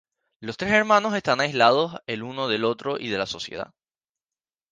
Los tres hermanos están aislados el uno del otro y de la sociedad.